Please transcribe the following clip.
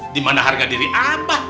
dimana harga diri abah